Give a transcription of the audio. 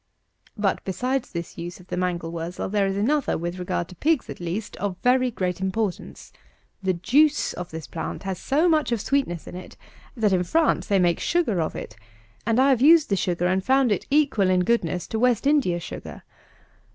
But, besides this use of the mangel wurzel, there is another, with regard to pigs at least, of very great importance. The juice of this plant has so much of sweetness in it, that, in France, they make sugar of it; and have used the sugar, and found it equal in goodness to West India sugar.